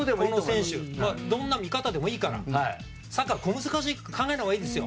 どんな見方でもいいからサッカーは小難しく考えないほうがいいですよ。